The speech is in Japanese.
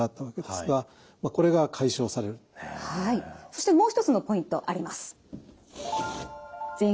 そしてもう一つのポイントあります。